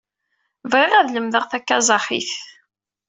Bɣiɣ ad lemdeɣ takaẓaxit.